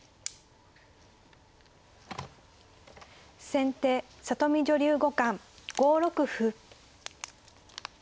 先手里見女流五冠５六歩。